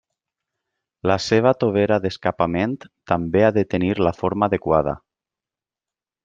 La seva tovera d'escapament també ha de tenir la forma adequada.